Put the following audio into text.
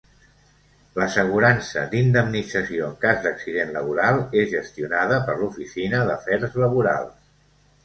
L'assegurança d'indemnització en cas d'accident laboral és gestionada per l'Oficina d'Afers Laborals.